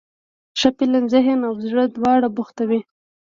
ښه فلم ذهن او زړه دواړه بوختوي.